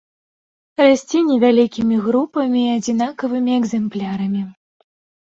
Расце невялікімі групамі і адзінкавымі экзэмплярамі.